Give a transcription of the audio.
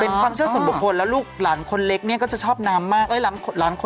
เป็นความเชื่อส่วนบุคคลแล้วลูกหลานคนเล็กเนี่ยก็จะชอบน้ำมาก